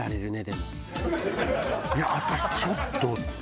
いや私ちょっと。